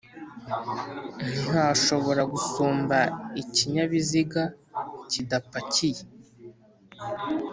ntihashobora gusumba ikinyabiziga kidapakiye.